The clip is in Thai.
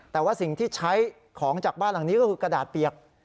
แต่ว่าสิ่งที่ใช้ของจากบ้านหลังนี้ก็คือกระดาษเปียก